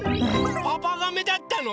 パパガメだったの？